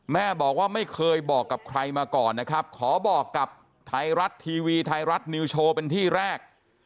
แม่บอกว่าไม่เคยบอกกับใครมาก่อนนะครับขอบอกกับไทยรัฐทีวีไทยรัฐนิวโชว์เป็นที่แรก